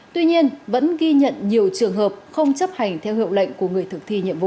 tuy nhiên vẫn ghi nhận nhiều trường hợp không chấp hành theo hiệu lệnh của người thực thi nhiệm vụ